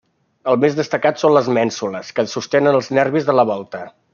El més destacat són les mènsules que sostenen els nervis de la volta.